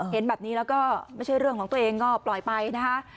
เห็นแบบนี้แล้วก็ไม่ใช่เรื่องของตัวเองก็ปล่อยไปนะคะ